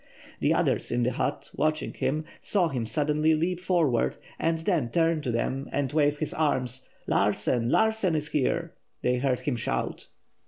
The others in the hut, watching him, saw him suddenly leap forward and then turn to them and wave his arms. "Larsen! Larsen is here!" they heard him shout.